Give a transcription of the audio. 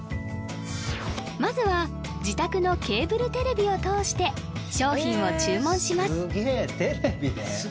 まずは自宅のケーブルテレビを通して商品を注文します